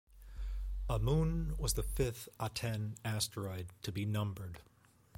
Amun was the fifth Aten asteroid to be numbered.